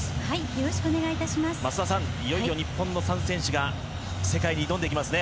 増田さん、いよいよ日本の３選手が世界に挑んでいきますね。